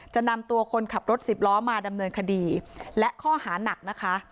จะนำตัวคนขับรถสิบล้อมาดำเนินคดีและข้อหานักนะคะ